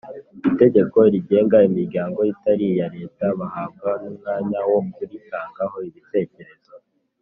itegeko rigenga imiryango itari iya Leta bahabwa n umwanya wo kuritangaho ibitekerezo